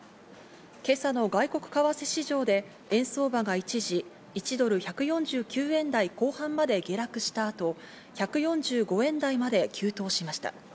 今朝の外国為替市場で円相場が一時、１ドル＝１４９円台後半まで下落した後、１４５円台まで急騰しました。